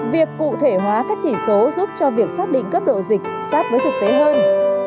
việc cụ thể hóa các chỉ số giúp cho việc xác định cấp độ dịch sát với thực tế hơn